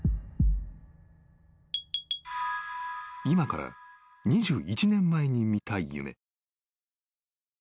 ［今から２１年前に見た夢］